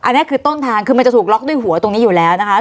อันนี้คือต้นทางคือมันจะถูกล็อกด้วยหัวตรงนี้อยู่แล้วนะคะ